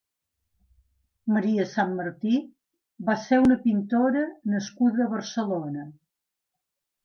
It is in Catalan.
Maria Sanmartí va ser una pintora nascuda a Barcelona.